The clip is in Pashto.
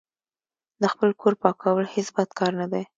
د خپل کور پاکول هیڅ بد کار نه ده.